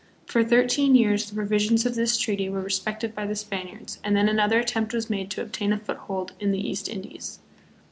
For thirteen years the provisions of this treaty were respected by the Spaniards, and then another attempt was made to obtain a foothold in the East Indies.